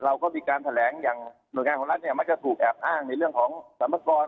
เราก็มีการแถลงอย่างหน่วยงานของรัฐสูบแอบอ้างในเรื่องสัมภาษณ์